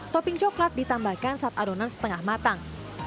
topping coklat ditambahkan saat adonan setengah matang